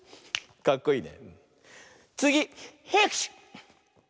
かっこいいね。